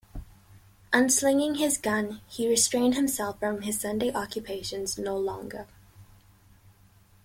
Unslinging his gun, he restrained himself from his Sunday occupations no longer.